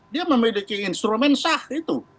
dia memiliki instrumen sah itu